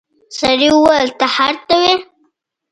سړي وويل ته هلته وې.